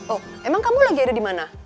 oh emang kamu lagi ada dimana